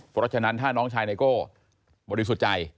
เพราะฉะนั้นถ้าน้องชายไนโก้บริสุทธิ์ใจ